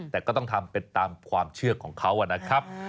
แต่ก็ต้องทำเป็นตามความเชื่อของเขานะครับ